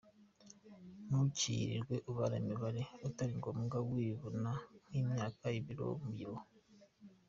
Ntukirirwe ubara imibare itaringombwa wivuna nk’imyaka , ibiro, umubyibuho.